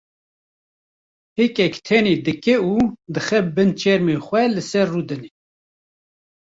hêkek tenê dike û dixe bin çermê xwe li ser rûdine.